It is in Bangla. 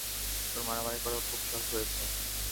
তোর মারামারি করার খুব শখ হয়েছে।